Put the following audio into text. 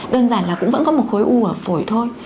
đơn giản là cũng vẫn có một khối u ở phổi thôi